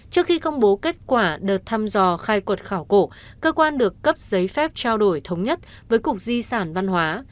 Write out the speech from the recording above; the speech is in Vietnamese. trước khi công bố kết quả đợt thăm dò khai quật khảo cổ cơ quan được cấp giấy phép trao đổi thống nhất với cục di sản văn hóa